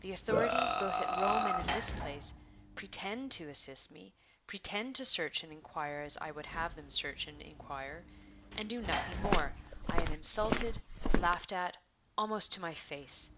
The authorities, both at Rome and in this place, pretend to assist me, pretend to search and inquire as I would have them search and inquire, and do nothing more. I am insulted, laughed at, almost to my face."